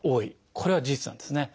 これは事実なんですね。